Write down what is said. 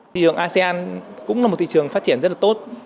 thị trường asean cũng là một thị trường phát triển rất là tốt